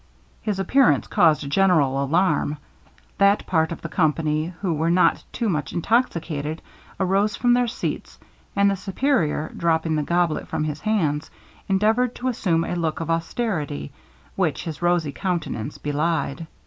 His appearance caused a general alarm; that part of the company who were not too much intoxicated, arose from their seats; and the Superior, dropping the goblet from his hands, endeavoured to assume a look of austerity, which his rosy countenance belied.